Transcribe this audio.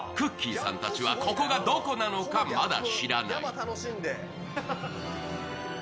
さんたちはここがどこなのか、まだ知らない。